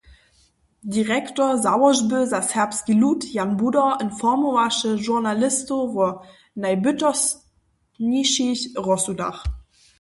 Direktor Załožby za serbski lud Jan Budar informowaše žurnalistow wo najbytostnišich rozsudach.